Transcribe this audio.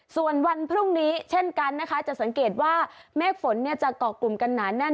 ส่วนวันพรุ่งนี้เช่นกันนะคะจะสังเกตว่าเมฆฝนจะเกาะกลุ่มกันหนาแน่น